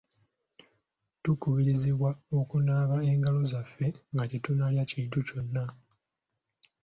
Tukubirizibwa okunaaba engalo zaffe nga tetunnalya kintu kyonna.